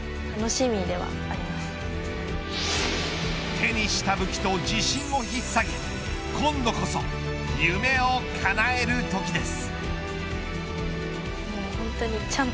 手にした武器と自信を引っさげ今度こそ夢をかなえるときです。